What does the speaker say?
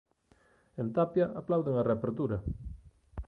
En Tapia, aplauden a reapertura.